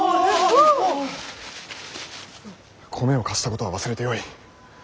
米を貸したことは忘れてよい。